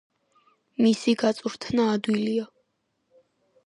მისი გაწვრთნა ადვილია.